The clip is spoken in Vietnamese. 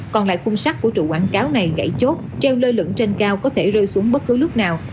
còn lại khung sắt của trụ quảng cáo này gãy chốt treo lơ lửng trên cao có thể rơi xuống bất cứ lúc nào